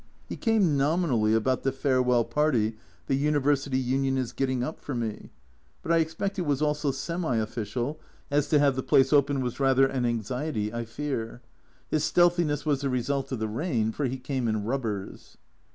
He came nominally about the farewell party the University Union is getting up for me, but I expect it was also semi official, as to have the place open was rather an anxiety, I h C <* g h O tr w A Journal from Japan 255 fear. His stealthiness was the result of the rain, for he came in rubbers